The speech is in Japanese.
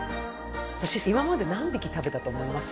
私今まで何匹食べたと思います？